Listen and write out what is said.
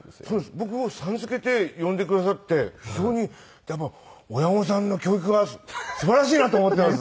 僕を「さん」付けで呼んでくださって非常に親御さんの教育がすばらしいなと思ってます。